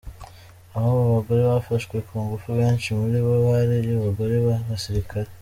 Naho abagore bafashwe ku ngufu benshi muri bo bari abagore b’abasirikare.